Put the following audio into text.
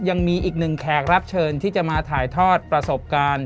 ยังมีอีกหนึ่งแขกรับเชิญที่จะมาถ่ายทอดประสบการณ์